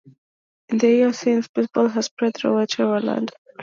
In the years since, baseball has spread throughout Ireland.